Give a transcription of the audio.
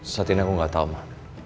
saatinya aku gak tahu ma